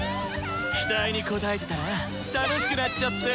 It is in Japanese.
期待に応えてたら楽しくなっちゃって。